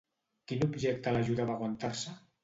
Quin objecte l'ajudava a aguantar-se?